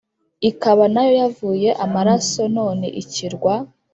ikaba nayo yavuye amaraso none ikirwa.